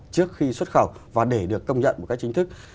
trước khi xuất khẩu và để được công nhận một cách chính thức